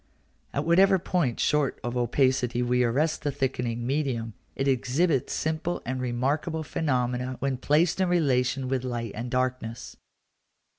At whatever point short of opacity we arrest the thickening medium, it exhibits simple and remarkable phenomena when placed in relation with light and darkness.